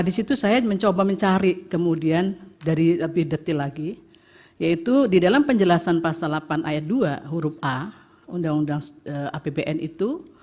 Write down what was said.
di situ saya mencoba mencari kemudian dari lebih detil lagi yaitu di dalam penjelasan pasal delapan ayat dua huruf a undang undang apbn itu